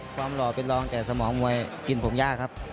หล่อเป็นรองแก่สมองมวยกินผมยากครับ